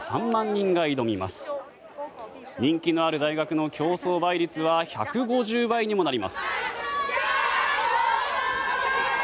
人気のある大学の競争倍率は１５０倍にもなります。